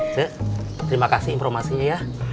dek terima kasih informasinya ya